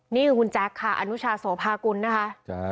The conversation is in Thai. นี่คือคุณแจ๊คค่ะอนุชาโสภากุลนะคะ